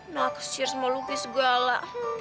naksir sama lucky segala